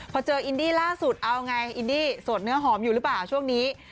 พอเจออินดี้ล่าสุดเอาไงอินดี้สดเนื้อหอมอยู่หรือเปล่าช่วงนี้